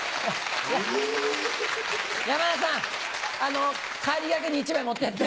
山田さんあの帰りがけに１枚持ってって。